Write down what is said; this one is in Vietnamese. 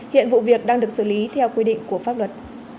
hiện vụ việc đang được xử lý theo quy định của pháp luật